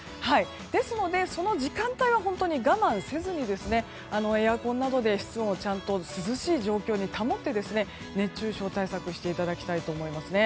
ですので、その時間帯は本当に我慢せずにエアコンなどで室温をちゃんと涼しい状況に保って熱中症対策していただきたいと思います。